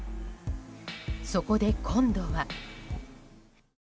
そこで今度は。